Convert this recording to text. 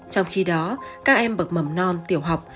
trong khi đó các em bậc mầm non tiểu học